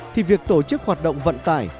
thì việc tổ chức hoạt động vận tải